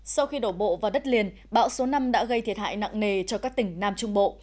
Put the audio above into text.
sau khi đổ bộ vào đất liền bão số năm đã gây thiệt hại nặng nề cho các tỉnh nam trung bộ